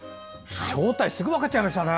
正体、すぐに分かっちゃいましたね。